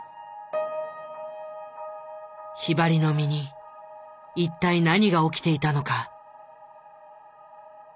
ひばりの身に一体何が起きていたのか？